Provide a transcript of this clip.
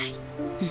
うん。